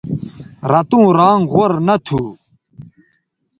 رتوں رانگ غور نہ تھو